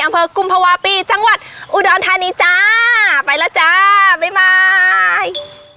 อำเภอกุมภาวะปีจังหวัดอุดรธานีจ้าไปแล้วจ้าบ๊ายบาย